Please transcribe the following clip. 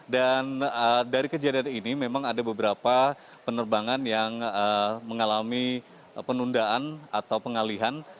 dan dari kejadian ini memang ada beberapa penerbangan yang mengalami penundaan atau pengalihan